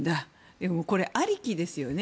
でも、これありきですよね。